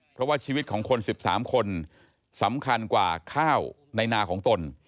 เพราะว่าชีวิตของคน๑๓คนสำคัญกว่าข้าวในนาของตน